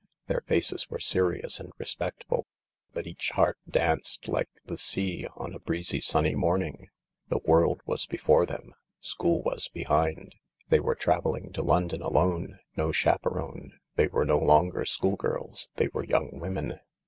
Their faces were serious and respectful, but each heart danced like the sea on a breezy THE LARK 27 sunny morning. The world was before them : schddl was behind. They were travelling to London alone — no chaperone ; they were no longer schoolgirls, they were young women.